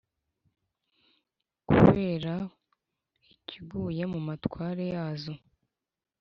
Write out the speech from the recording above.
kureba ikiguye mumatware yazo.